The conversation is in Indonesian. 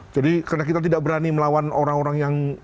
jadi karena kita tidak berani melawan orang orang yang